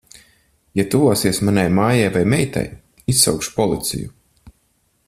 Ja tuvosies manai mājai vai meitai, izsaukšu policiju.